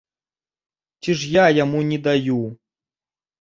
Ці ж я яму не даю?!